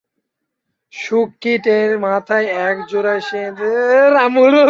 শূককীট এর মাথায় এক জোড়া শিং আছে এবং এদের দেহের সামনে এবং পিছন দিক সরু।